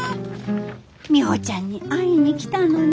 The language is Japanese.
ミホちゃんに会いに来たのに。